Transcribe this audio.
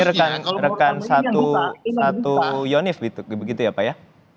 rekan rekan satu yonif gitu ya pak ya